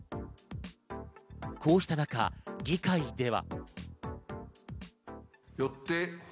こうした中、議会では。